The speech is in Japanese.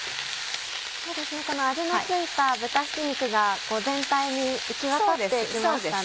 この味の付いた豚ひき肉が全体に行きわたって来ましたね。